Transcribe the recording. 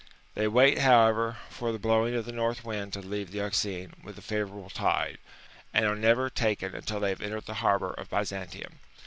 They Avait, however, for the blowing of the north wind to leave the Euxine with a favourable tide, and are never taken until they have entered the harbour of Byzantium.